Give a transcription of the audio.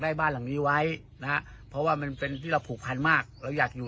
บ้านหลังนี้ไว้นะฮะเพราะว่ามันเป็นที่เราผูกพันมากเราอยากอยู่